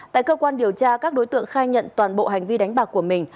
tại cơ quan điều tra các đối tượng khai nhận toàn bộ hành vi đánh bạc của mình